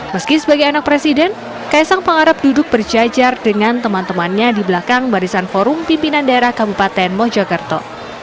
meski sebagai anak presiden kaisang pangarap duduk berjajar dengan teman temannya di belakang barisan forum pimpinan daerah kabupaten mojokerto